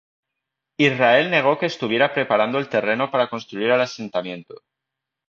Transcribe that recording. Israel negó que estuviera preparando el terreno para construir el asentamiento.